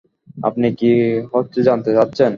আপনি কী হচ্ছে জানতে চাচ্ছেন।